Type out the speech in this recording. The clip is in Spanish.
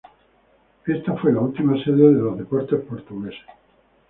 Esta fue la última sede de los Deportes portugueses.